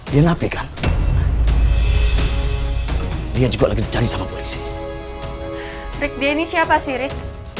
dia nafikan dia juga lagi dicari sama polisi rik dia ini siapa sih rik